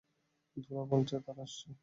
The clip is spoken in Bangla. ধূলা বলছে, তারা আসছে।